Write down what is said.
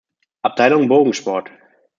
Abteilung Bogensport.